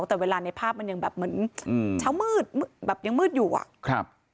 แต่เวลาในภาพมันยังแบบเหมือนอืมเช้ามืดแบบยังมืดอยู่อ่ะครับ